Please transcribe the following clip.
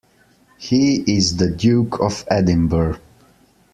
He is the Duke of Edinburgh.